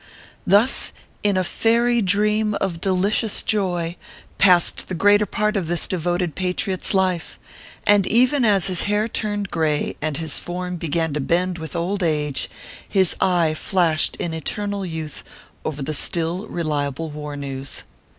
Thus, in a fairy dream of delicious joy, passed the greater part of this devoted patriot s life ; and even as his hair turned gray, and his form began to bend with old age, his eye flashed in eternal youth over the still reliable war news.